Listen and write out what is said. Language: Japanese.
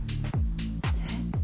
えっ？